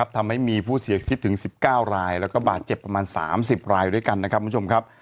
ทำให้มีผู้เสียคิดถึง๑๙รายและบาทเจ็บประมาณ๓๐รายอยู่ด้วยกันนะครับ